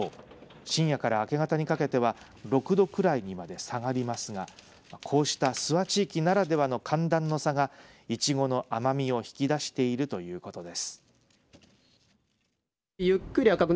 深夜から明け方にかけては６度くらいにまで下がりますがこうした諏訪地域ならではの寒暖の差がいちごの甘みを引き出しているということです。